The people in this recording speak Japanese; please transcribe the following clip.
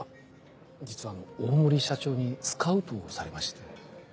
実はあの大森社長にスカウトをされまして。